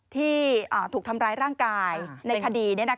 ที่ถูกทำร้ายร่างกายในคดี